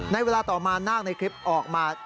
ในเวลาต่อมานาคในคลิปออกมา